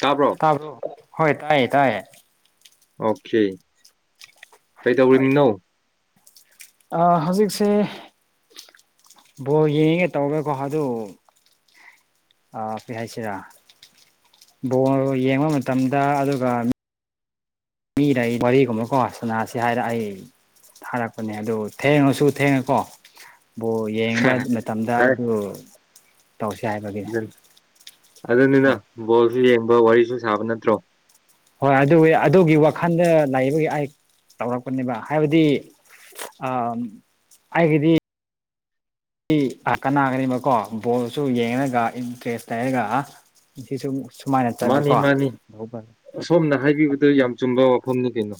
ꯇꯥꯕ꯭ꯔꯣ ꯇꯥꯕ ꯍꯣꯏ ꯇꯥꯏꯌꯦ ꯇꯥꯏꯌꯦ ꯑꯣꯀꯦ ꯀꯩꯗꯧꯔꯤꯃꯤꯅꯣ ꯑ ꯍꯧꯖꯤꯛꯁꯦ ꯕꯣꯜ ꯌꯦꯡꯒꯦ ꯇꯧꯔꯤꯑꯗꯨ ꯀꯔꯤ ꯍꯏꯁꯤꯔꯥ ꯕꯣꯜ ꯌꯦꯡꯕ ꯃꯇꯝꯗ ꯑꯗꯨꯒ ꯃꯤꯔ ꯋꯥꯔꯤꯔꯤꯒꯨꯝꯕꯀꯣ ꯁꯅꯥꯁꯤ ꯍꯥꯏꯔꯛ ꯑꯦ ꯊꯥꯔꯛꯄꯅꯦ ꯑꯗꯨ ꯊꯦꯡꯉꯁꯨ ꯊꯦꯡꯅꯀꯣ ꯌꯦꯡꯕ ꯃꯇꯝꯗ ꯑꯦ ꯑꯗꯨ ꯇꯧꯁꯤ ꯍꯥꯏꯕꯒꯤ ꯑꯗꯨ ꯑꯗꯨꯅꯤꯅ ꯍꯣꯏ ꯕꯣꯜꯁꯨ ꯌꯦꯡꯕ ꯋꯥꯔꯤꯁꯨ ꯁꯥꯕ ꯅꯠꯇ꯭ꯔꯣ ꯍꯣꯏ ꯑꯗꯨ ꯑꯗꯨꯒꯤ ꯋꯥꯈꯜꯗ ꯂꯩꯩꯕꯒꯤ ꯑꯩ ꯇꯧꯔꯛꯄꯅꯦꯕ ꯍꯥꯏꯕꯗꯤ ꯑ ꯑꯩꯒꯤꯗꯤ ꯁꯤ ꯀꯅꯥꯒꯅꯦꯕꯀꯣ ꯕꯣꯜꯁꯨ ꯌꯦꯡꯉꯒ ꯏꯟꯇꯔꯦꯁ ꯂꯩꯔꯒ ꯁꯤꯁꯨ ꯁꯨꯃꯥꯏꯅ ꯃꯥꯅꯤ ꯆꯠꯄꯀꯣ ꯃꯥꯅꯤ ꯑꯁꯣꯝꯅ ꯍꯥꯏꯕꯤꯕꯗꯨ ꯌꯥꯝ ꯆꯨꯝꯕ ꯋꯥꯐꯝꯅꯤ ꯀꯩꯅꯣ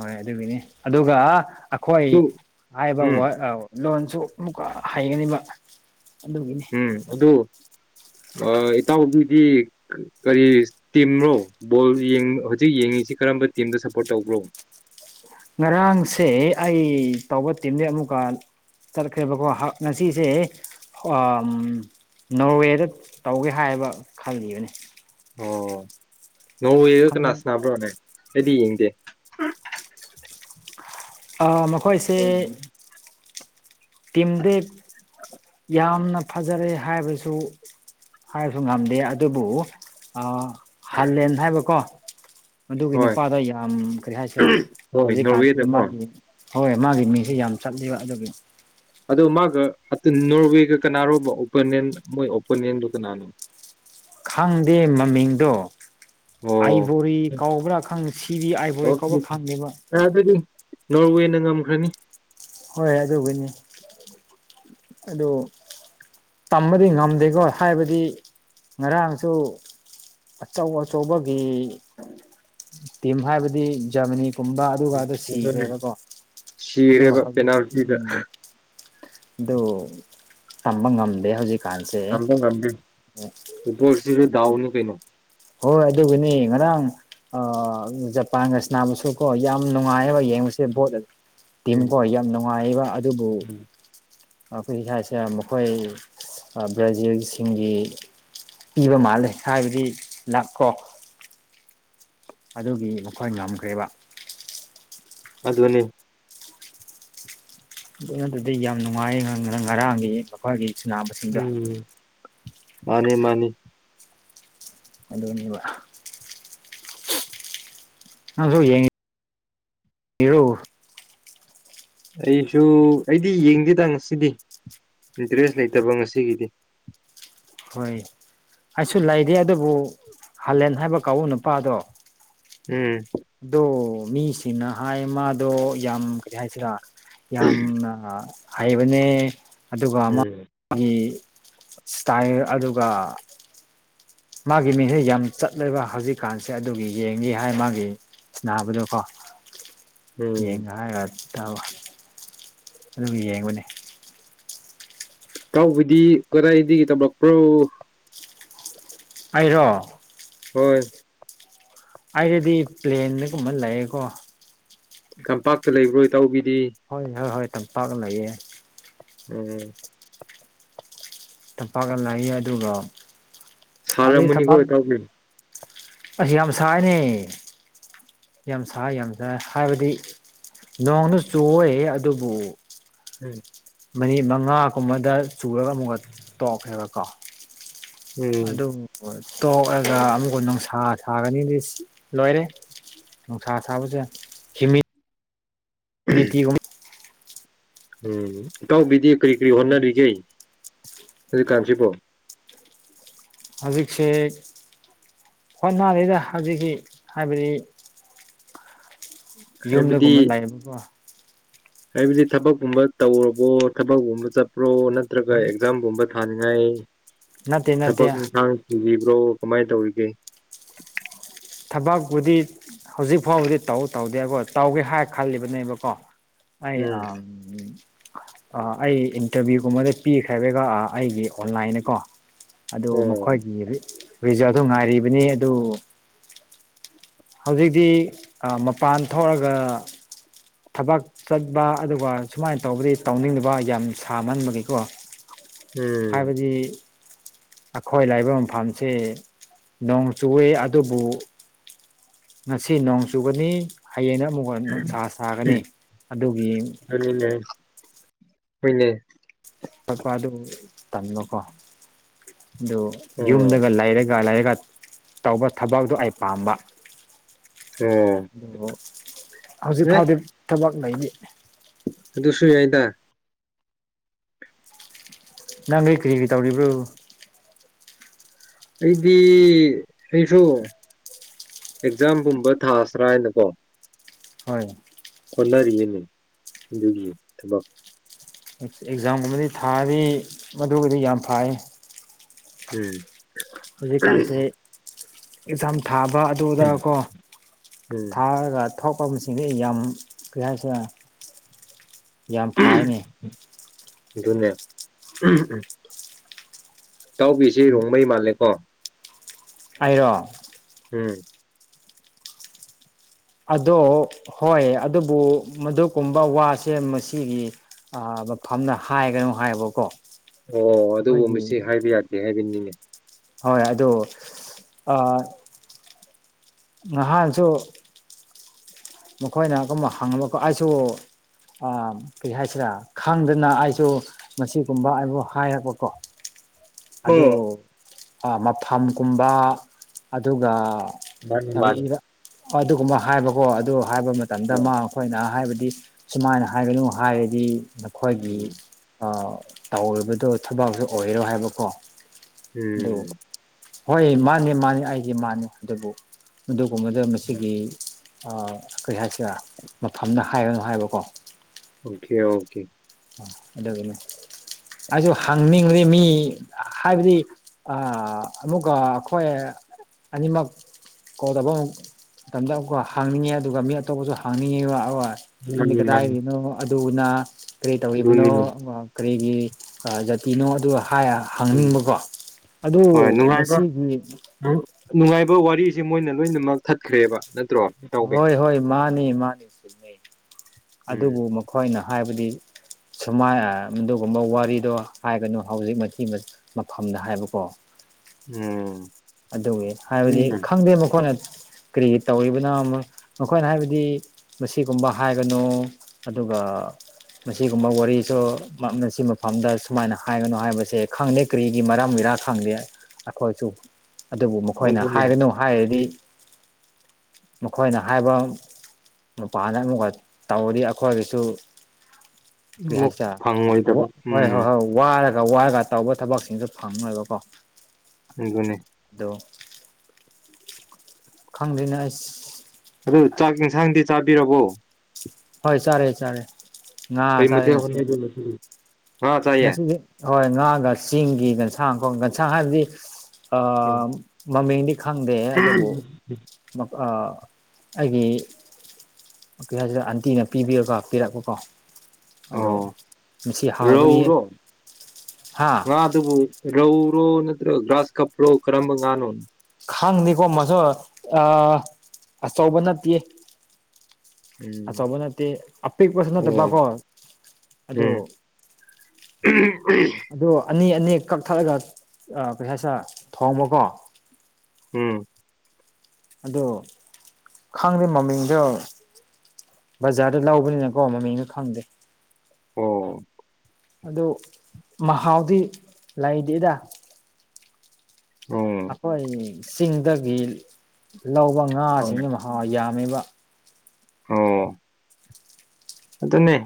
ꯍꯣꯏ ꯑꯗꯨꯒꯤꯅꯤ ꯑꯗꯨꯒ ꯑꯩꯈꯣꯏ ꯑꯗꯨ ꯍꯥꯏꯕ ꯎꯝ ꯋꯥ ꯂꯣꯟꯁꯨ ꯑꯃꯨꯛꯀ ꯍꯩꯒꯅꯤꯕ ꯑꯗꯨꯒꯤꯅꯤ ꯎꯝ ꯑꯗꯨꯗ [unintelligible] [inaudible] ꯏꯇꯥꯎꯕꯤꯗꯤ ꯀꯔꯤ ꯇꯤꯝꯅꯣ ꯕꯣꯜ ꯍꯧꯖꯤꯛ ꯌꯦꯡꯉꯤꯁꯤ ꯀꯔꯤ ꯀꯔꯝꯕ ꯇꯤꯝꯗ ꯁꯞꯄꯣꯔꯠ ꯇꯧꯕ꯭ꯔꯣ ꯉꯔꯥꯡꯁꯦ ꯑꯩ ꯇꯧꯕ ꯇꯤꯝꯗꯒꯤꯩ ꯑꯃꯨꯛꯀ ꯆꯠꯈ꯭ꯔꯦꯕꯀꯣ ꯉꯁꯤꯁꯦ ꯅꯣꯔꯋꯦꯗ ꯇꯧꯒꯦ ꯍꯥꯏꯕ ꯈꯜꯂꯤꯕꯅꯤ ꯑꯣ ꯅ ꯀꯅꯥ ꯁꯅꯥꯕ꯭ꯔꯣꯅꯦ ꯑꯩꯗꯤ ꯌꯦꯡꯗꯦ ꯃꯈꯣꯏꯁꯦ ꯇꯤꯝꯗꯦ ꯌꯥꯝꯅ ꯐꯖꯔꯦ ꯍꯥꯏꯕꯁꯨ ꯍꯥꯏꯕꯁꯨ ꯉꯝꯗꯦ ꯑꯗꯨꯕꯨ ꯍꯥꯂꯦꯟ ꯍꯥꯏꯕꯀꯣ ꯑꯗꯨꯒꯤ ꯍꯣꯏ ꯅꯨꯄꯥꯗꯣ ꯌꯥꯝ ꯀꯔꯤ ꯍꯥꯏꯁꯤꯦ ꯍꯣꯏ ꯍꯧꯖꯤꯛꯀꯥꯟꯁꯤ ꯅꯣꯔꯋꯦꯗꯀꯣ ꯃꯥꯒꯤ ꯍꯣꯏ ꯃꯥꯒꯤ ꯃꯤꯡꯁꯤ ꯌꯥꯝ ꯆꯠꯂꯤꯕ ꯑꯗꯨꯒꯤ ꯑꯗꯣ ꯃꯥꯒ ꯅꯣꯔꯋꯦꯒ ꯀꯅꯥꯔꯣꯕ ꯑꯣꯄꯣꯅꯦꯟ ꯃꯣꯏ ꯑꯣꯄꯣꯅꯦꯟꯗꯨ ꯀꯅꯥꯅꯣ ꯈꯪꯗꯦ ꯃꯃꯤꯡꯗꯣ ꯑꯥꯏ ꯑꯣ ꯕꯣꯔꯤ ꯀꯧꯕꯕ꯭ꯔꯥ ꯈꯪꯉ ꯁꯤꯗꯤ ꯑꯥꯏ ꯕꯣꯔꯤ ꯀꯧꯕ꯭ꯔꯥ ꯑꯣꯀꯦ ꯈꯪꯉꯦꯕ ꯑꯗꯨꯗꯤ ꯅꯣꯔꯋꯦꯅ ꯉꯝꯈ꯭ꯔꯅꯤ ꯍꯣꯏꯣꯏ ꯑꯗꯨꯗꯒꯅꯦ ꯑꯗꯨꯗ ꯇꯝꯕꯗꯤ ꯉꯝꯗꯦꯀꯣ ꯍꯥꯏꯕꯗꯤ ꯉꯔꯥꯡꯁꯨ ꯑꯆꯧ ꯑꯆꯧꯕꯒꯤ ꯇꯤꯝ ꯍꯥꯏꯕꯗꯤ ꯖꯔꯃꯅꯤ ꯀꯨꯝꯕ ꯑꯗꯨꯒꯗ ꯑꯗꯨꯅꯦ ꯁꯤꯈ꯭ꯔꯦꯕꯀꯣ ꯑꯗꯨ ꯁꯤꯔꯦꯕ ꯍꯧꯖꯤꯛ ꯄꯦꯅꯥꯜꯇꯤꯗ ꯎꯝ ꯑꯗꯨ ꯇꯝꯕ ꯉꯝꯗꯦ ꯍꯧꯖꯤꯛ ꯉꯝꯗ ꯉꯗ ꯎꯁꯤ ꯗꯗꯥꯎꯅꯤ ꯀꯩꯩꯅꯣ ꯍꯣꯏ ꯑꯗꯨꯕꯨꯅꯦ ꯉꯔꯥꯡ ꯑ ꯖꯄꯥꯟꯒꯁ ꯅꯥꯕꯁꯨ ꯀꯣ ꯌꯥꯝ ꯅꯨꯡꯉꯥꯏꯑꯕ ꯌꯦ ꯌꯦꯡꯕꯁꯦ ꯕꯣ ꯇꯤꯝꯀꯣ ꯎꯝ ꯌꯥꯝ ꯅꯨꯡꯉꯥꯏꯕ ꯑꯗꯨꯕꯨ ꯑꯩꯈꯣꯏ ꯏꯁꯁꯦ ꯃꯈꯣꯏ ꯕ꯭ꯔꯥꯖꯤꯜꯁꯤꯡꯒꯤ ꯏꯕ ꯃꯥꯜꯂꯦ ꯍꯥꯏꯕꯗꯤ ꯂꯥꯛꯀꯣ ꯑꯗꯨꯒꯤ ꯃꯈꯣꯏ ꯉꯝꯈ꯭ꯔꯦꯕ ꯑꯗꯅꯦꯅꯤ ꯑꯗꯨꯅ ꯑꯗꯨꯗꯤ ꯌꯥꯝ ꯅꯨꯡꯉꯥꯏ ꯉꯔꯥꯡꯒꯤ ꯃꯈꯣꯏꯒꯤ ꯁꯨꯅꯥꯕꯁꯤꯡꯗꯣ ꯎꯝ ꯃꯥꯅꯤ ꯃꯥꯅꯤ ꯑꯗꯨꯗꯅꯤ ꯌꯕ ꯑꯁꯨ ꯌꯦ ꯌꯦꯔꯨ ꯑꯩꯁꯨ ꯑꯩꯗꯤ ꯌꯦꯡꯗꯦꯗ ꯉꯁꯤꯗꯤ ꯏꯟꯇꯔꯦꯁ ꯂꯩꯇꯕ ꯉꯁꯤꯒꯤꯗꯤ ꯍꯣꯏ ꯑꯩꯁꯨ ꯂꯩꯔꯤ ꯑꯗꯨꯕꯨ ꯍꯥꯂꯦꯟ ꯍꯥꯏꯕ ꯀꯎ ꯅꯨꯄꯥꯗꯣ ꯎꯝ ꯑꯗꯣ ꯃꯤꯁꯤꯅ ꯍꯥꯏ ꯃꯥꯗꯣ ꯌꯥꯝ ꯀꯔꯤ ꯍꯥꯏꯁꯤꯔꯥ ꯌꯥꯝꯅ ꯍꯩꯕꯅꯦ ꯑꯗꯨꯒ ꯎꯝ ꯑꯃꯒꯤ ꯏꯁꯇꯥꯏꯜ ꯑꯗꯨꯒ ꯃꯥꯒꯤ ꯃꯤꯡꯁꯦ ꯌꯥꯝ ꯆꯠꯂꯦꯕ ꯍꯧꯖꯤꯛꯀꯥꯟꯁꯦ ꯑꯗꯨꯒꯤ ꯌꯦꯡꯉ ꯍꯥꯏ ꯃꯥꯒꯤ ꯅꯥꯕꯗꯣꯀꯣ ꯎꯝ ꯌꯦꯡ ꯉ ꯍꯥꯏꯔ ꯇꯕ ꯑꯗꯨꯒ ꯌꯦꯡꯕꯅꯤ ꯀꯥꯎꯕꯗꯤ ꯀꯗꯥꯏꯗꯒꯤ ꯇꯧꯂꯛꯄ꯭ꯔꯣ ꯑꯩꯔꯣ ꯍꯣꯏ ꯑꯩꯔꯗꯤ ꯄ꯭ꯂꯦꯟꯗꯒꯨꯝꯕ ꯂꯩꯌꯦꯀꯣ ꯀꯝꯄꯥꯛꯇ ꯂꯩꯕ꯭ꯔꯣꯏ ꯇꯧꯕꯤ ꯍꯣꯏ ꯍꯣꯏ ꯍꯣꯏ ꯇꯝꯄꯥꯛ ꯂꯩꯑꯦ ꯎꯝ ꯇꯝꯄꯥꯛꯒ ꯂꯥꯛꯏ ꯑꯗꯨꯒ ꯁꯔꯥ ꯃꯅꯤꯒꯣꯦ ꯇꯥꯎ ꯑꯁꯤ ꯌꯥꯝ ꯁꯥꯏꯅꯦ ꯌꯥꯝ ꯁꯥꯏ ꯌꯥꯝ ꯁꯥꯏ ꯍꯥꯏꯕꯗꯤ ꯅꯣꯡꯗ ꯆꯨ ꯑꯗꯨꯕꯨ ꯎꯝ ꯃꯅꯤ ꯃꯉꯥꯒꯨꯝꯕꯗ ꯆꯨꯔꯒ ꯑꯃꯨꯛꯀ ꯇꯣꯛꯈ꯭ꯔꯦꯕꯀꯣ ꯑꯗꯨꯗ ꯇꯣꯛꯂꯒ ꯑꯃꯨꯛꯀ ꯅꯨꯡꯁꯥ ꯁꯥꯒꯅꯤꯗꯤ ꯂꯣꯏꯔꯦ ꯅꯨꯡꯁꯥ ꯁꯥꯕꯁꯦ ꯍꯤꯃꯤ ꯗꯤꯇꯤꯒꯨꯝ [unintelligible] ꯎꯝ ꯏꯇꯥꯎꯕꯤꯗꯤ ꯀꯔꯤ ꯀꯔꯤ ꯑꯗꯨꯝ ꯍꯣꯠꯅꯔꯤꯒꯦ ꯍꯧꯖꯤꯛꯀꯥꯟꯁꯤꯕꯣ ꯍꯧꯖꯤꯛꯁꯦ ꯍꯣꯠꯅꯔꯤꯗ ꯍꯧꯖꯤꯛꯀꯤ ꯍꯥꯏꯕꯗꯤ ꯍꯥꯏꯕꯗꯤ ꯌꯨꯝꯗꯒꯨꯝꯕ ꯂꯩꯥꯛꯌꯦꯕꯀꯣ ꯍꯥꯏꯕꯗꯤ ꯊꯕꯛꯀꯨꯝꯕ ꯇꯧꯔꯕꯣ ꯊꯕꯛꯒꯨꯝꯕ ꯆꯠꯄ꯭ꯔꯣ ꯅꯠꯇ꯭ꯔꯒ ꯎꯝ ꯑꯦꯛꯖꯥꯝꯒꯨꯝꯕ ꯊꯥꯅꯤꯡꯉꯥꯏ ꯅꯠꯇꯦ ꯅꯠꯇꯦ ꯊꯕꯛ ꯏꯟꯁꯥꯡꯁꯤ ꯕ꯭ꯔꯣ ꯀꯃꯥꯏꯅ ꯇꯧꯔꯤꯒꯦ ꯊꯕꯛꯄꯨꯗꯤ ꯍꯧꯖꯤꯛ ꯐꯥꯎꯕꯗꯤ ꯇꯧ ꯇꯧꯗꯦꯀꯣ ꯇꯧꯒꯦ ꯍꯥꯏ ꯈꯜꯂꯤꯕꯅꯦꯕꯀꯣ ꯑꯩ ꯑ ꯎꯝ ꯑꯩ ꯏꯟꯇꯔꯚꯤꯌꯨꯒꯨꯝꯕꯗ ꯄꯤꯈ꯭ꯔ ꯍꯥꯏꯕꯒ ꯑꯩꯒꯤ ꯑꯣꯟꯂꯥꯏꯟꯅꯀꯣ ꯑꯗꯨ ꯑꯣ ꯃꯈꯣꯏꯒꯤ ꯔꯤꯖꯥꯇ ꯉꯥꯏꯔꯤꯕꯅꯤ ꯑꯗꯨ ꯍꯧꯖꯤꯛꯇꯤ ꯃꯄꯥꯟ ꯊꯣꯛꯑꯒ ꯊꯕꯛ ꯆꯠꯄ ꯑꯗꯨꯒ ꯁꯨꯃꯥꯏꯅ ꯇꯧꯕꯗꯤ ꯇꯧꯅꯤꯡꯗꯕ ꯌꯥꯝ ꯁꯥꯃꯟꯕꯒꯤꯀꯣ ꯎꯝ ꯐꯥꯏꯕꯖꯤ ꯑꯩꯈꯣꯏ ꯂꯩꯕ ꯃꯐꯝꯁꯤ ꯅꯣꯡ ꯆꯨꯏ ꯑꯗꯨꯕꯨ ꯉꯁꯤ ꯅꯣꯡ ꯆꯨꯒꯅꯤ ꯍꯌꯦꯡ ꯑꯃꯨꯛꯀ ꯅꯨꯡꯁꯥ ꯁꯥꯒꯅꯤ ꯑꯗꯨꯒꯤ ꯍꯅꯦ ꯄ ꯑꯗꯨ ꯇꯝꯂꯣꯀꯣ ꯑꯗꯨ ꯑꯣ ꯌꯨꯝꯗꯒ ꯂꯩꯔꯒ ꯂꯥꯏꯔꯤꯛꯀ ꯇꯧꯕ ꯊꯕꯛꯇꯣ ꯑꯩ ꯄꯥꯝꯕ ꯑꯣ ꯍꯧꯖꯤꯛ ꯐꯥꯎꯗꯤ ꯊꯕꯛ ꯂꯩꯔꯤ ꯑꯗꯨꯁꯨꯏ ꯌꯥꯏꯗ ꯅꯪꯩ ꯀꯔꯤ ꯀ ꯇꯧꯕ꯭ꯔꯣ ꯑꯩꯗꯤ ꯑꯩꯁꯨꯣ ꯑꯦꯛꯖꯥꯝꯒꯨꯝꯕ ꯊꯥꯁ꯭ꯔꯥ ꯍꯥꯏꯅꯀꯣ ꯍꯣꯏ ꯍꯣꯠꯅꯔꯤꯉꯅꯤ ꯑꯗꯨꯒꯤ ꯊꯕꯛ ꯑꯦꯛꯖꯥꯝꯒꯨꯝꯕꯗꯤ ꯊꯥꯗꯤ ꯃꯗꯨꯕꯨꯗꯤ ꯌꯥꯝ ꯐꯥꯏ ꯎꯝ ꯍꯧꯖꯤꯛꯀꯥꯟꯁꯦ ꯑꯦꯛꯖꯥꯝ ꯊꯥꯕ ꯑꯗꯨꯗꯀꯣ ꯎꯝ ꯊꯥꯔꯒ ꯑꯐꯥꯎ ꯄꯥꯕꯁꯤꯡꯁꯦ ꯑꯩ ꯌꯥꯝ ꯀꯔꯤ ꯍꯥꯏꯁꯤꯦ ꯌꯥꯝ ꯐꯅꯤ ꯑꯗꯨꯅꯦ ꯇꯥꯎꯕꯤꯁꯤ ꯔꯣꯡꯃꯩ ꯃꯥꯜꯂꯦꯀꯣ ꯑꯩꯔꯣ ꯎꯝ ꯑꯗꯣ ꯍꯣꯏ ꯑꯗꯨꯕꯨ ꯃꯗꯨꯒꯨꯝꯕ ꯋꯥꯁꯦ ꯃꯁꯤꯒꯤ ꯃꯐꯝꯗ ꯍꯥꯏꯒꯅꯨ ꯍꯥꯏꯌꯦꯕꯀꯣ ꯑꯣ ꯑꯗꯨꯕꯨ ꯃꯤ ꯍꯥꯏꯕ ꯌꯥꯗꯦ ꯍꯥꯏꯕꯤꯅꯤꯡꯉꯤ ꯍꯣꯏ ꯑꯗꯣ ꯑ ꯅꯍꯥꯟꯁꯨ ꯃꯈꯣꯏꯅꯒꯨꯝꯕ ꯍꯪꯉꯕꯀꯣ ꯑꯩꯁꯨ ꯑ ꯀꯩ ꯍꯥꯏꯁꯤꯔꯥ ꯈꯪꯗꯅ ꯑꯩꯁꯨ ꯃꯁꯤꯒꯨꯝꯕ ꯑꯩꯕꯨ ꯍꯥꯏꯔꯛꯄꯀꯣ ꯑꯗꯨ ꯑꯣ ꯃꯐꯝ ꯀꯨꯝꯕ ꯑꯗꯨꯒ ꯃꯥꯅꯤ ꯍ ꯑꯗꯨꯒꯨꯝꯕ ꯍꯥꯏꯕꯀꯣ ꯑꯗꯨ ꯍꯥꯏꯕ ꯃꯇꯝꯗ ꯃꯥ ꯎꯝ ꯑꯩꯈꯣꯏꯅ ꯍꯥꯏꯕꯗꯤ ꯍꯥꯏꯗꯤ ꯁꯨꯃꯥꯏꯅ ꯍꯥꯏꯒꯅꯨ ꯍꯥꯏꯔꯗꯤ ꯅꯈꯣꯏꯒꯤ ꯇꯧꯔꯤꯕꯗꯣ ꯊꯕꯛꯁꯨ ꯑꯣꯏꯔꯣ ꯍꯥꯏꯕꯀꯣ ꯑꯗꯨ ꯎꯝ ꯍꯣꯏ ꯃꯥꯅꯤ ꯃꯥꯅꯤ ꯑꯩꯗꯤ ꯃꯥꯅꯤ ꯑꯗꯨꯕꯨ ꯃꯗꯨꯒꯨꯝꯕꯗ ꯃꯁꯤꯒꯤ ꯀꯔꯤ ꯍꯥꯏꯁꯤꯔ ꯃꯐꯝꯗ ꯍꯥꯏꯒꯅꯣ ꯍꯥꯏꯕꯀꯣ ꯑꯣꯀꯦ ꯑꯣꯀꯦ ꯑꯗꯨꯅꯤ ꯑꯩꯁꯨ ꯍꯪꯅꯤꯡꯕꯗꯤ ꯃꯤ ꯍꯥꯏꯕꯗꯤ ꯑꯃꯨꯛꯀ ꯑꯩꯈꯣꯏ ꯑꯅꯤꯃꯛ ꯀꯧꯗꯕ ꯑꯃꯨꯛ ꯃꯇꯝꯗ ꯑꯃꯨ ꯍꯥꯡꯅꯤꯡꯉꯦ ꯑꯗꯨꯒ ꯃꯤ ꯑꯇꯣꯞꯄꯁꯨ ꯍꯥꯡꯅꯤꯡꯉꯦ ꯋꯥ ꯅꯪꯗꯤ ꯃꯥꯅꯤ ꯃꯥꯅꯤ ꯀꯗꯥꯏꯔꯤꯅꯣ ꯑꯗꯨꯅ ꯀꯔꯤ ꯇꯧꯔꯤꯕꯅꯣ ꯑꯗꯨꯅꯤ ꯀꯔꯤꯒꯤ ꯖꯥꯄꯤꯅꯣ ꯑꯗꯨꯒ ꯍꯥꯏ ꯎꯝ ꯍꯪꯅꯤꯡꯕꯀꯣ ꯑꯗꯨ ꯍꯣꯏ ꯅꯨꯡꯉꯥꯏꯕ ꯃꯁꯤꯒꯤ ꯅꯨꯡ- ꯅꯨꯡꯉꯥꯏꯕ ꯋꯥꯔꯤꯁꯦ ꯃꯣꯏꯅ ꯂꯣꯏꯅꯃꯛ ꯊꯠꯈ꯭ꯔꯦꯕ ꯅꯠꯇ꯭ꯔꯣ ꯇꯧꯒꯦ ꯍꯣꯏ ꯍꯣꯏ ꯃꯥꯅꯤ ꯃꯥꯅꯤ ꯆꯨꯝꯅꯩ ꯎꯝ ꯑꯗꯨꯕꯨ ꯃꯈꯣꯏꯅ ꯍꯥꯏꯕꯗꯤ ꯁꯨꯃꯥꯏ ꯑꯗꯨꯒꯨꯝꯕ ꯋꯥꯔꯤꯗꯣ ꯍꯥꯏꯒꯅꯨ ꯍꯧꯖꯤꯛ ꯃꯤ ꯃꯐꯝꯗ ꯍꯥꯏꯕꯀꯣ ꯎꯝ ꯑꯗꯨꯒꯤ ꯍꯥꯏꯕꯗꯤ ꯎꯝ ꯈꯪꯗꯦ ꯃꯈꯣꯏꯅ ꯀꯔꯤ ꯇꯧꯔꯤꯕꯅꯣ ꯃꯈꯣꯏꯅ ꯍꯥꯏꯕꯗꯤ ꯃꯁꯤꯒꯨꯝꯕ ꯍꯥꯏꯒꯅꯨ ꯑꯗꯨꯒ ꯑꯥ ꯃꯁꯤꯒꯨꯝꯕ ꯋꯥꯔꯤꯁꯨ ꯃꯁꯤ ꯃꯐꯝꯗ ꯁꯨꯃꯥꯏꯅ ꯍꯥꯏꯒꯅꯣ ꯍꯥꯏꯕꯁꯦ ꯈꯪꯗꯦ ꯀꯔꯤꯒꯤ ꯃꯔꯝ ꯑꯣꯏꯔ ꯈ ꯑꯩ ꯑꯗꯨꯕꯨ ꯃꯈꯣꯏꯅ ꯑꯗꯨꯅꯦ ꯍꯥꯏꯒꯅꯨ ꯍꯥꯏꯔꯗꯤ ꯃꯈꯣꯏꯅ ꯍꯥꯏꯕ ꯅꯨꯄꯥꯥꯟꯗ ꯑꯃꯨꯛꯀ ꯇꯧꯔꯤ ꯑꯩꯈꯣꯏꯒꯤꯁꯨ ꯑꯃꯨꯛ ꯥꯏꯁ ꯐꯪꯉꯣꯏꯗꯕ ꯍꯣꯏ ꯍꯣꯏ ꯎꯝ ꯍꯣꯏ ꯋꯥꯔ ꯈ ꯋꯥꯔꯒ ꯇꯧꯕ ꯊꯕꯛꯁꯤꯡꯁꯨ ꯐꯪꯉꯣꯏꯕꯀꯣ ꯏꯒꯅꯦ ꯗꯣ ꯈꯪꯗꯅ ꯑꯩ ꯑꯗꯨ ꯆꯥꯛ ꯌꯦꯟꯁꯥꯡꯗꯤ ꯆꯥꯕꯤꯔꯕꯣ ꯍꯣꯏ ꯆꯔꯦ ꯆꯔꯦ ꯉ ꯆꯔꯦ ꯅ ꯁꯤ ꯍꯥ ꯆꯥꯏꯌꯦ ꯍꯣꯏ ꯉꯥꯒ ꯆꯤꯡꯒꯤ ꯟꯁꯥꯡꯈꯣ ꯟꯁꯥꯡ ꯍꯥꯏꯕꯗꯤ ꯃꯃꯤꯡꯗꯤ ꯈꯪꯗꯦ ꯑꯗꯨꯕꯨ ꯑꯩꯒꯤ ꯁꯤꯗ ꯑꯟꯇꯤꯅ ꯄꯤꯕꯤꯔꯒ ꯄꯤꯔꯛꯄꯀꯣ ꯑꯗꯣ ꯃꯁꯤꯁꯤ ꯍꯥꯎ ꯌꯔꯣ ꯉꯥꯗꯨꯕꯨ ꯔꯧꯔꯣ ꯅꯠꯇ꯭ꯔꯣꯒ꯭ꯔꯥꯁ ꯀꯞ꯭ꯔꯣ ꯀꯔꯝꯕ ꯉꯅꯣ ꯈꯪꯅꯤꯀꯣ ꯃꯁꯨ ꯑ ꯑꯆꯧꯕ ꯅꯠꯇꯦ ꯎꯝ ꯑꯆꯧꯕ ꯅꯠꯇꯦ ꯑꯄꯤꯛꯄꯁꯨ ꯑꯣ ꯅꯠꯇꯕꯀꯣ ꯑꯗꯨ ꯎꯝ ꯑꯗꯨ ꯑꯅꯤ ꯑꯅꯤ ꯀꯛꯊꯠꯂꯒ ꯄꯩꯁꯥ ꯁꯥ ꯊꯣꯡꯕꯀꯣ ꯎꯝ ꯑ ꯈꯪꯗꯦ ꯃꯃꯤꯡꯗꯣ ꯕꯖꯥꯔꯗ ꯂꯧꯕꯅꯤꯅꯀꯣ ꯃꯃꯤꯡꯁꯨ ꯈꯪꯗꯦ ꯑꯣꯝ ꯑꯗꯨ ꯃꯍꯥꯎꯗꯤ ꯂꯩꯇꯦꯗ ꯎꯝ ꯆꯤꯡꯗꯒꯤ ꯂꯧꯕ ꯉꯥꯁꯤꯡꯅ ꯃꯍꯥꯎ ꯌꯥꯝꯃꯤꯕ ꯑꯣ ꯑꯗꯨꯅꯦ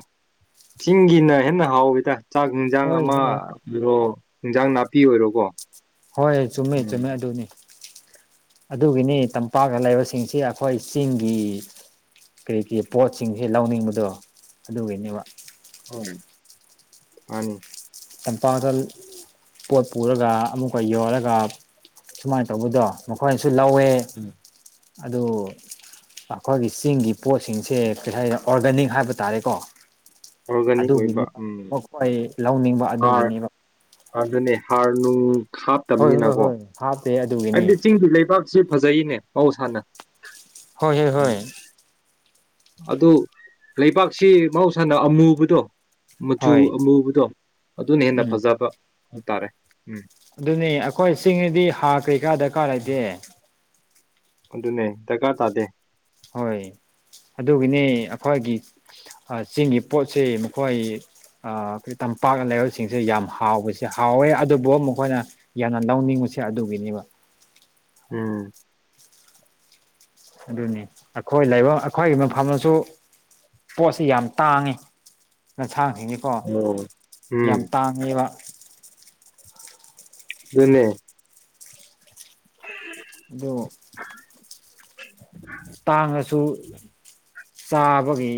ꯆꯤꯡꯒꯤꯅ ꯍꯦꯟꯅ ꯍꯥꯎꯋꯗ ꯆꯥꯛ ꯌꯦꯟꯖꯥꯡ ꯍꯣꯏ ꯑꯃ ꯍꯣꯏ ꯑꯣꯏꯔꯣ ꯏꯟꯖꯥꯡ ꯅꯥꯄꯤ ꯑꯣꯏꯔꯣꯀꯣ ꯍꯣꯏ ꯆꯨꯝꯃꯦ ꯎꯝ ꯆꯨꯝꯃꯦ ꯑꯗꯨꯅꯤ ꯑꯗꯨꯒꯤꯅꯤ ꯇꯝꯄꯥꯛꯀ ꯂꯩꯕꯁꯤꯡꯁꯤ ꯑꯩꯈꯣꯏ ꯆꯤꯡꯒꯤ ꯀꯔꯤ ꯀꯔꯤ ꯄꯣꯠꯁꯤꯡꯁꯦ ꯂꯧꯅꯤꯡꯕꯗꯣ ꯑꯗꯨꯒꯤꯅꯦꯕ ꯎꯃ ꯃꯥꯏꯅꯤ ꯆꯝ ꯄꯥꯒꯜ ꯄꯣꯠ ꯄꯨꯔꯒ ꯑꯃꯨꯛꯀ ꯌꯣꯜꯂꯒ ꯁꯨꯃꯥꯏꯅ ꯇꯧꯕꯗꯣ ꯃꯈꯣꯏꯅ ꯁꯨ ꯂꯧꯋꯦ ꯑꯗꯨ ꯑꯩꯈꯣꯏꯒꯤ ꯆꯤꯡꯒꯤ ꯄꯣꯠꯁꯤꯡꯁꯦ ꯀꯔꯤ ꯍꯥꯏ ꯑꯣꯔꯒꯥꯅꯤꯛ ꯍꯥꯏꯕ ꯇꯥꯔꯦꯀꯣ ꯑꯣꯔꯒꯥꯅꯤꯛ ꯑꯣꯏꯕ ꯑꯗꯨꯒꯤꯅꯤꯕ ꯎꯝ ꯃꯈꯣꯏ ꯂꯧꯅꯤꯡꯕ ꯑꯗꯨꯒꯤꯅꯦꯕ ꯑꯗꯅꯦ ꯍꯥꯔꯅꯨ ꯍꯣꯏ ꯍꯣꯏ ꯍꯣꯏ ꯍꯥ ꯍꯥꯏꯕꯗꯤ ꯆꯤꯡꯒꯤ ꯂꯩꯕꯥꯛꯁꯤ ꯐꯖꯩꯅꯦ ꯃꯍꯧꯁꯥꯅ ꯍꯣꯏ ꯍꯣꯏ ꯎꯝ ꯍꯣꯏ ꯑꯗꯨ ꯂꯩꯕꯥꯛꯁꯤ ꯃꯍꯧꯁꯥꯅ ꯑꯃꯨꯕꯗꯣ ꯃꯆꯨ ꯍꯣꯏ ꯑꯃꯨꯕꯗꯣ ꯑꯗꯨꯅ ꯍꯦꯟꯅ ꯎꯝ ꯐꯖꯕ ꯍꯥꯏꯇꯥꯥꯔꯦ ꯎꯝ ꯑꯗꯨꯅꯤ ꯑꯩꯈꯣꯏ ꯆꯤꯡꯗꯤ ꯍꯥ ꯀꯔꯤꯀꯥ ꯗꯔꯀꯥꯔ ꯂꯩꯇꯦ ꯑꯗꯨꯅꯦ ꯗꯔꯀꯥꯔ ꯇꯥꯗꯦ ꯍꯣꯏ ꯑꯗꯨꯒꯤꯅꯦ ꯑꯩꯈꯣꯏꯒꯤ ꯆꯤꯡꯒꯤ ꯄꯣꯠꯁꯤ ꯃꯈꯣꯏ ꯑꯩꯣꯏ ꯇꯝꯄꯥꯛ ꯂꯩꯕꯁꯤꯡꯁꯦ ꯌꯥꯝ ꯍꯥꯎꯕꯁꯤꯦ ꯍꯥꯎꯋꯦ ꯑꯗꯨꯕꯨ ꯃꯈꯣꯏꯅ ꯌꯥꯝꯅ ꯂꯧꯅꯤꯡ ꯁꯦ ꯑꯗꯨꯒꯤꯅꯦꯕ ꯎꯝ ꯑꯗꯨꯅꯤ ꯑꯩꯈꯣꯏ ꯂꯩꯕ ꯑꯩꯈꯣꯏꯒꯤ ꯃꯐꯝꯗꯁꯨ ꯄꯣꯠꯁꯤ ꯌꯥꯝ ꯇꯥꯡꯉꯤ ꯂꯁꯥꯡꯁꯤꯅꯤꯀꯣ ꯑꯣ ꯎꯝ ꯌꯥꯝ ꯇꯥꯡꯉꯦꯕ ꯑꯗꯨꯅꯦ ꯑꯗꯨꯗ ꯇꯥꯡꯉꯁꯨ ꯆꯥꯕꯒꯤ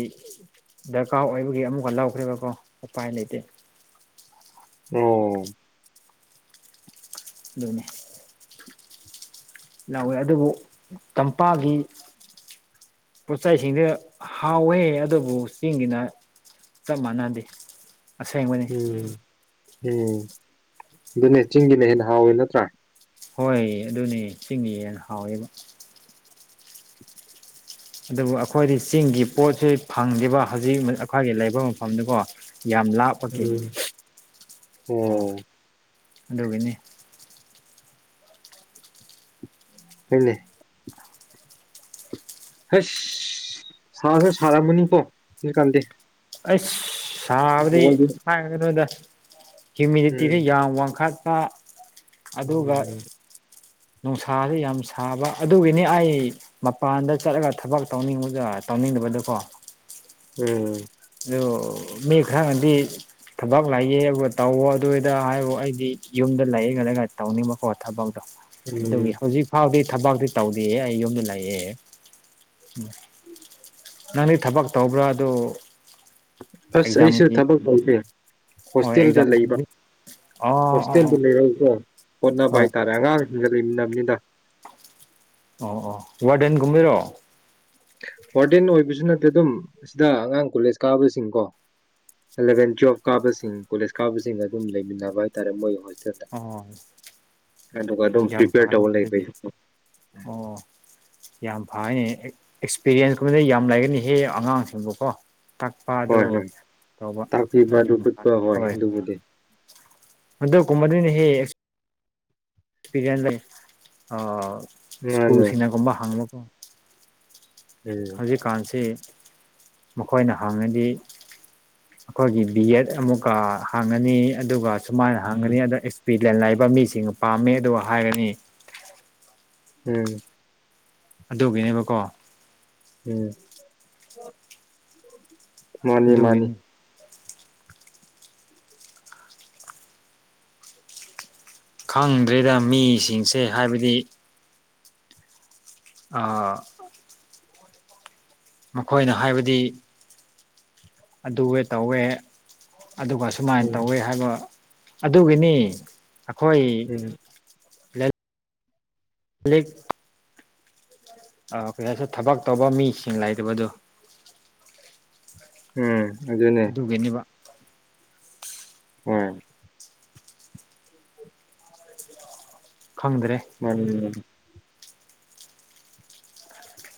ꯗꯔꯀꯥꯔ ꯑꯣꯏꯕꯒꯤ ꯑꯃꯨꯛꯀ ꯂꯧꯈ꯭ꯔꯦꯕꯀꯣ ꯎꯄꯥꯏ ꯂꯩꯇꯦ ꯑꯣ ꯑꯗꯨꯅꯦ ꯂꯧꯥꯎꯋꯦ ꯑꯗꯨꯕꯨ ꯆꯝꯄꯥꯒꯤ ꯄꯣꯠꯆ ꯆꯩꯁꯤꯡꯁꯦ ꯍꯥꯎꯋꯦ ꯑꯗꯨꯕꯨ ꯆꯤꯡꯒꯤꯅ ꯆꯞ ꯃꯥꯟꯅꯗꯦ ꯑꯁꯦꯡꯕꯅꯤ ꯎꯝ ꯎꯝ ꯑꯗꯨꯅꯦ ꯆꯤꯡꯒꯤꯅ ꯍꯦ ꯍꯥꯎꯋꯦ ꯅꯠꯇ꯭ꯔꯥ ꯍꯣꯏ ꯑꯗꯨꯅꯦ ꯆꯤꯡ ꯍꯦꯟꯅ ꯍꯥꯎꯋꯦꯕ ꯑꯗꯨꯕꯨ ꯑꯩꯈꯣꯏꯗꯤ ꯆꯤꯡꯒꯤ ꯄꯣꯠꯁꯤ ꯐꯪꯗꯕ ꯍꯧꯖꯤꯛ ꯑꯩꯈꯣꯏꯒꯤ ꯂꯩꯕ ꯃꯐꯝꯗꯨꯀꯣ ꯌꯥꯝ ꯂꯥꯞꯄꯒꯦ ꯎꯝ ꯑꯣ ꯗꯧꯕꯅꯦ ꯍꯅꯦ ꯍꯁ ꯁꯥꯔꯁꯨ ꯁꯥꯔꯝꯃꯅꯤꯀꯣ ꯑꯗꯨꯀꯥꯟꯗꯦ ꯑꯩꯁ ꯁꯥꯕꯗꯤ ꯍꯥꯏꯒꯅꯣꯗ ꯍꯤꯌꯨꯃꯤꯗꯤꯇꯤꯤꯁꯦ ꯎꯝ ꯌꯥꯝ ꯋꯥꯡꯈꯠꯄ ꯎꯝ ꯅꯨꯡꯁꯥꯥꯁ ꯌꯥꯝ ꯁꯥꯕ ꯑꯗꯨꯒꯤꯅꯤ ꯑꯩ ꯃꯄꯥꯟꯗ ꯆꯠꯂꯒ ꯊꯕꯛ ꯇꯧꯅꯤꯡꯕ ꯇꯧꯅꯤꯡ ꯕꯗꯨꯀꯣ ꯎꯝ ꯃ ꯈꯔꯥꯟꯗꯤ ꯊꯕꯛ ꯂꯩꯌꯦꯦ ꯑꯗꯨꯒ ꯇꯧꯋꯣ ꯑꯗꯨꯏꯗ ꯍꯥꯏꯕꯨ ꯑꯩꯗꯤ ꯌꯨꯝꯗ ꯂꯩꯌꯦꯒꯗꯒ ꯇꯧꯅꯤꯡꯕꯀꯣ ꯊꯕꯛ ꯑꯗꯨꯒꯤ ꯎꯝ ꯍꯧꯖꯤꯛ ꯐꯥꯎꯗꯤ ꯊꯕꯛꯇꯤ ꯇꯧꯗꯦ ꯑꯩ ꯌꯨꯝꯗ ꯂꯥꯛꯑꯦ ꯎꯝ ꯅꯪꯗꯤ ꯊꯕꯛ ꯇꯧꯕ꯭ꯔꯥ ꯑꯗꯨ ꯑꯁ ꯑꯩꯁꯨ ꯑꯦꯛꯖꯥꯝꯒꯤ ꯊꯕꯛ ꯇꯧꯁꯤꯦ ꯍꯣꯏ ꯍꯣꯁꯇꯦꯜꯗ ꯂꯩꯕ ꯑꯦꯛꯖꯥꯝꯒꯨꯝꯕꯗꯤ ꯑꯣ ꯑꯣ ꯍꯣꯁꯇꯦꯜꯗ ꯑꯣ ꯂꯩꯔꯎꯀ꯭ꯔꯣ ꯍꯣꯠꯅꯕ ꯍꯣꯏ ꯍꯥꯏꯇꯥꯔꯦ ꯑꯉꯥꯡꯁꯤꯡꯒ ꯂꯩꯃꯤꯟꯅꯕꯅꯤꯗ ꯑꯣ ꯑꯣ ꯋꯥꯔꯗꯦꯟꯒꯨꯝꯕꯤꯔꯣ ꯋꯥꯔꯗꯦꯟ ꯑꯣꯏꯕꯁꯨ ꯅꯠꯇꯦ ꯑꯗꯨꯝ ꯑꯁꯤꯗ ꯑꯉꯥꯡ ꯀꯣꯂꯦꯖ ꯀꯥꯕꯁꯤꯡꯀꯣ ꯑꯦꯂꯚꯦꯟ ꯇꯨꯋꯦꯜꯐ ꯀꯥꯕꯁꯤꯡ ꯀꯣꯂꯦꯖ ꯀꯥꯕꯁꯤꯡ ꯑꯗꯨꯝ ꯂꯩꯃꯤꯟꯅꯕ ꯍꯥꯏꯇꯥꯔꯦ ꯃꯣꯏ ꯑꯣ [unintelligible] ꯌꯥꯝ ꯐꯥꯅꯦ ꯇꯧꯔ ꯂꯩꯕ ꯑꯗꯨꯗꯤ ꯑꯩꯁꯨ ꯑꯣ ꯌꯥꯝ ꯐꯅꯤ ꯑꯦꯛꯁꯄꯤꯔꯤꯌꯦꯟꯁꯀꯨꯝꯕꯅ ꯌꯥꯝ ꯂꯩꯒꯅꯤꯍꯦ ꯑꯉꯥꯡꯁꯤꯡꯕꯨꯀꯣ ꯇꯥꯛꯄ ꯍꯣꯏ ꯑꯗꯨꯣ ꯍꯣꯏ ꯇꯧꯕ ꯇꯥꯛꯄꯤꯕ ꯑꯗꯨ ꯌꯥꯝ ꯍꯣꯏ ꯎꯠꯄ ꯍꯣꯏ ꯑꯗꯨꯕꯨꯗꯤ ꯑꯗꯨꯀꯨꯝꯕꯗꯨꯍꯦ ꯄꯤꯒ ꯂꯩ ꯁ꯭ꯀꯨꯜ ꯃꯥꯅꯦ ꯁꯤꯅꯒꯨꯝꯕ ꯍꯥꯡꯕꯒ ꯎꯝ ꯍꯧꯖꯤꯛꯀꯥꯟꯁꯤ ꯃꯈꯣꯏꯅ ꯍꯪꯉꯗꯤ ꯑꯩꯈꯣꯏꯒꯤ ꯕꯤ ꯑꯦꯗ ꯑꯃꯨꯛꯀ ꯍꯥꯡꯉꯅꯤ ꯑꯗꯨꯒ ꯁꯨꯃꯥꯏꯅ ꯍꯪꯒꯅꯤ ꯑꯗ ꯑꯦꯛꯁꯄꯤꯔꯤꯌꯦꯟ ꯂꯩꯕ ꯃꯤꯁꯤꯡꯅ ꯄꯥꯝꯃꯦ ꯑꯗꯨꯒ ꯍꯥꯏꯔꯅꯤ ꯍꯝ ꯑꯗꯨꯒꯤꯅꯦꯕꯀꯣ ꯎꯝ ꯃꯥꯅꯤ ꯃꯥꯅꯤ ꯑꯗꯨꯒꯤꯅꯤ ꯈꯪꯗ꯭ꯔꯦꯗ ꯃꯤꯁꯤꯡꯁꯦ ꯍꯥꯏꯕꯗꯤ ꯑꯥ ꯃꯈꯣꯏꯅ ꯍꯥꯏꯕꯗꯤ ꯑꯗꯨ ꯇꯧꯋꯦ ꯑꯗꯨꯒ ꯁꯨꯃꯥꯏꯅ ꯎꯝ ꯇꯧꯋꯦ ꯍꯥꯏꯕ ꯑꯗꯨꯒꯤꯅꯤ ꯑꯩꯈꯣꯏ ꯎꯝ ꯂꯤ ꯑ ꯀꯩꯁ ꯊꯕꯛ ꯇꯧꯕ ꯃꯤꯁꯤꯡ ꯂꯩꯇꯕꯗꯣ ꯎꯝ ꯑꯗꯨꯅꯦ ꯑꯗꯨꯒꯤꯅꯦꯕ ꯎꯝ ꯈꯪꯗ꯭ꯔꯦ ꯎꯝ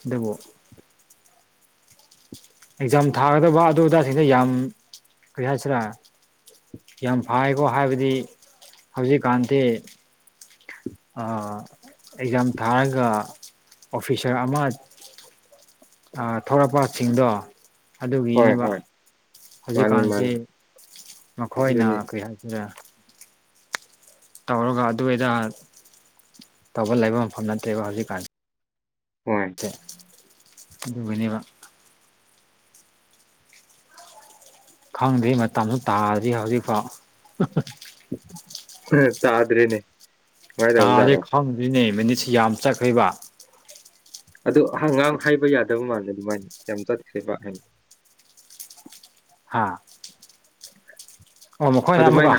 ꯗꯨꯕꯨ ꯑꯦꯛꯖꯥꯝ ꯊꯥꯒꯗꯕ ꯑꯗꯨ ꯑꯗꯥꯁꯤꯡꯗ ꯌꯥꯝ ꯀꯔꯤ ꯍꯥꯏꯁꯤꯔꯥ ꯌꯥꯝ ꯐꯥꯏꯀꯣ ꯍꯥꯏꯕꯗꯤ ꯍꯧꯖꯤꯛꯀꯥꯟꯗꯤ ꯑꯦꯛꯖꯥꯝ ꯊꯥꯔꯒ ꯑꯣꯐꯤꯁꯥꯔ ꯑꯃ ꯊꯂꯛꯄꯁꯤꯡꯗꯣ ꯍꯣꯏ ꯑꯗꯨꯒꯤꯅꯦꯕ ꯍꯣꯏ ꯃꯥꯅꯤ ꯍꯧꯖꯤꯛꯀꯥꯟꯁꯤ ꯃꯥꯅꯤ ꯃꯈꯣꯏꯅ ꯑꯗꯨꯅꯤ ꯀꯔꯤ ꯍꯥꯏꯁꯤꯔꯦ ꯇꯧꯔꯒ ꯑꯗꯨꯋꯥꯏꯗ ꯇꯧꯕ ꯂꯩꯕ ꯃꯐꯝ ꯅꯠꯇꯦꯕ ꯍꯧꯖꯤꯛꯀꯥꯟ ꯍꯣꯏ ꯑꯗꯨꯒꯤꯅꯦꯕ ꯈꯪꯗ꯭ꯔꯤ ꯃꯇꯝꯁꯨ ꯇꯥꯗꯤ ꯍꯧꯖꯤꯛꯐꯥꯎ ꯇꯥꯗ꯭ꯔꯦꯅꯦ ꯀꯃꯥꯏ ꯇꯥꯔꯦ ꯇꯧꯕꯖꯥꯠꯅꯣ ꯈꯪꯗ꯭ꯔꯦꯅꯦ ꯃꯤꯅꯤꯠꯁꯤ ꯌꯥꯝ ꯆꯠꯈ꯭ꯔꯕ ꯑꯗꯨ ꯑꯉꯥꯡ ꯍꯥꯏꯕ ꯌꯥꯗꯕ ꯃꯥꯜꯂꯦ ꯑꯗꯨꯃꯥꯏꯅ ꯌꯥꯝ ꯆꯠꯈ꯭ꯔꯦꯕ ꯑꯩꯅ ꯍꯥꯥ ꯑꯣ ꯃꯈꯣꯏꯅ ꯑꯃꯨꯛꯀ ꯑꯗꯨꯃꯥꯏꯅ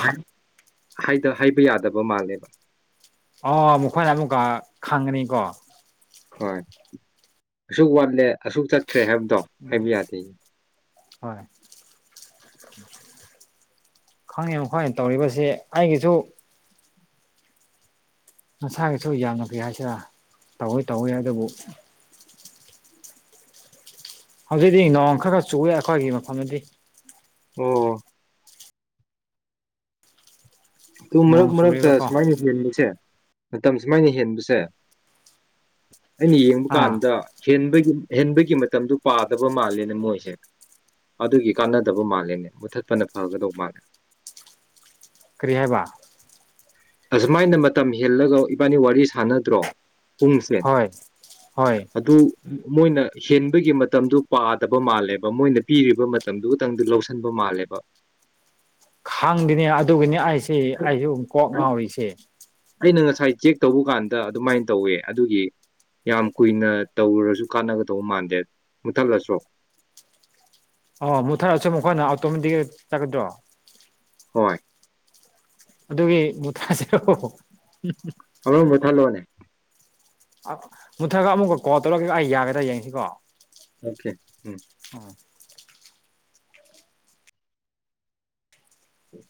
ꯍꯥꯏꯕ ꯌꯥꯗꯕ ꯃꯥꯜꯂꯦꯕ ꯑꯣ ꯃꯈꯣꯏꯅ ꯑꯃꯨꯛꯀ ꯈꯪꯉꯅꯤꯀꯣ ꯍꯣꯏ ꯑꯁꯨꯛ ꯋꯥꯠꯂꯦ ꯑꯁꯨꯛ ꯆꯠꯇꯈ꯭ꯔꯦ ꯍꯥꯏꯕꯗꯣ ꯍꯥꯏꯕ ꯌꯥꯗꯦꯅꯦ ꯍꯣꯏ ꯈꯪꯉꯦ ꯈꯪꯉꯦ ꯇꯧꯔꯤꯕꯁꯤꯦ ꯑꯩꯒꯤꯁꯨ ꯅꯁꯥꯒꯤꯁꯨ ꯌꯥꯝꯅ ꯐꯤ ꯍꯥꯏꯁꯤꯔ ꯇꯧꯋꯤ ꯇꯧꯋꯤ ꯑꯗꯨꯕꯨ ꯍꯧꯖꯤꯛꯇꯤ ꯅꯣꯡ ꯈꯔ ꯈꯔ ꯆꯨꯞꯑꯦ ꯑꯩꯈꯣꯏꯒꯤ ꯃꯐꯝꯗꯗꯤ ꯑꯣ ꯇꯨ ꯃꯔꯛ ꯅꯣꯡ ꯃꯔꯛ ꯆꯨꯔꯦꯕꯀꯣ ꯊꯁꯃꯥꯏ ꯐꯁ ꯃꯇꯝ ꯁꯨꯃꯥꯏꯅ ꯍꯦꯟꯕꯁꯦ ꯑꯩꯅ ꯌꯦꯡꯕ ꯑꯥ ꯀꯥꯟꯗ ꯍꯦꯟꯕꯒꯤ ꯑꯍꯦꯟꯕꯒꯤ ꯃꯇꯝꯗꯨ ꯄꯥꯗꯕ ꯃꯥꯜꯂꯦꯅꯦ ꯃꯣꯏꯁꯦ ꯑꯗꯨꯒꯤ ꯀꯥꯟꯅꯗꯕ ꯃꯥꯜꯂꯦꯅꯦ ꯃꯨꯊꯠꯄꯅ ꯐꯒꯗꯧ ꯃꯥꯜꯂꯦ [unintelligible] ꯀꯩ ꯍꯥꯌꯕꯥ ꯑꯁꯨꯃꯥꯏꯅ ꯃꯇꯝ ꯍꯦꯜꯂꯒ ꯏꯕꯥꯅꯤ ꯋꯥꯔꯤ ꯁꯥꯟꯅꯗ꯭ꯔꯣ ꯄꯨꯡꯁꯦ ꯍꯣꯏ ꯍꯣꯏ ꯑꯗꯨ ꯃꯣꯏꯅ ꯍꯦꯟꯕꯒꯤ ꯃꯇꯝꯗꯨ ꯄꯥꯗꯕ ꯃꯥꯜꯂꯦꯕ ꯃꯣꯏꯅ ꯄꯤꯔꯤꯕ ꯃꯇꯝꯗꯨ ꯈꯇꯪꯗꯤ ꯂꯧꯁꯤꯟꯕ ꯃꯥꯜꯂꯦꯕ ꯈꯪꯗꯅꯦ ꯑꯗꯨꯒꯅꯤ ꯑꯩꯁꯦ ꯑꯩꯁꯨꯨ ꯀꯣꯛ ꯉꯥꯎꯔꯤꯁꯦ ꯑꯩꯅ ꯉꯁꯥꯏ ꯆꯦꯛ ꯇꯧꯕ ꯀꯥꯟꯗ ꯑꯗꯨꯃꯥꯏꯅ ꯇꯧꯋꯦ ꯑꯗꯨꯒꯤ ꯌꯥꯝ ꯀꯨꯏꯅ ꯇꯧꯨꯔꯁꯨ ꯀꯥꯟꯅꯒꯗꯧꯕ ꯃꯥꯟꯗꯦ ꯃꯨꯊꯠꯂꯁꯨ꯭ꯔꯣ ꯑꯣ ꯃꯨꯛꯊꯔꯁꯨ ꯃꯈꯣꯏꯅ ꯑꯣꯇꯣꯃꯦꯇꯤꯛ ꯆꯠꯀꯗ꯭ꯔꯣ ꯍꯣꯏ ꯑꯗꯨꯒꯤ ꯃꯨꯊꯥꯁꯦ ꯑ ꯃꯊꯥꯜꯂꯣꯅꯦ ꯃꯨꯊꯒ ꯑꯃꯨꯛꯀ ꯀꯣꯜ ꯇꯧꯔꯒꯦ ꯑꯩ ꯌꯥꯒꯗ꯭ꯔꯥ ꯌꯦꯡꯁꯤꯀꯣ ꯑꯣꯀꯦ ꯎꯝ ꯎꯝ